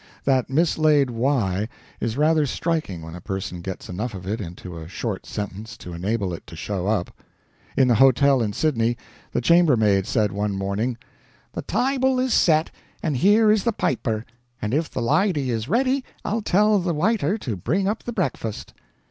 That mislaid 'y' is rather striking when a person gets enough of it into a short sentence to enable it to show up. In the hotel in Sydney the chambermaid said, one morning: "The tyble is set, and here is the piper; and if the lydy is ready I'll tell the wyter to bring up the breakfast."